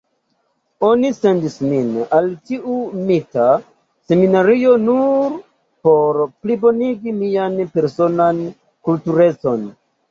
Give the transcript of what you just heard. Oni sendis min al tiu mita seminario nur por plibonigi mian personan kulturecon.